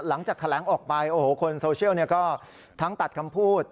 หลังจากแถลงออกไปโอ้โหคนโซเชียลก็ทั้งตัดคำพูด